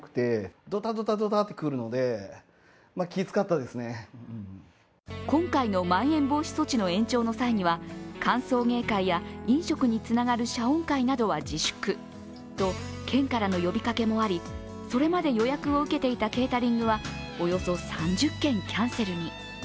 しかし今回のまん延防止措置の延長の際には歓送迎会や飲食につながる謝恩会などは自粛と件からの呼びかけもありそれまで予約を受けていたケータリングはおよそ３０件キャンセルに。